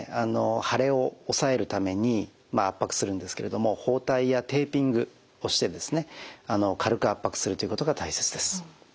腫れをおさえるために圧迫するんですけれども包帯やテーピングをしてですね軽く圧迫するということが大切です。